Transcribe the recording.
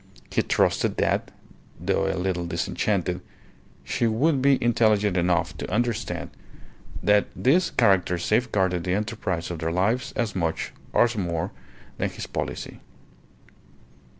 He trusted that, though a little disenchanted, she would be intelligent enough to understand that his character safeguarded the enterprise of their lives as much or more than his policy.